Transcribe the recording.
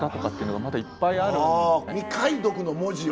未解読の文字を？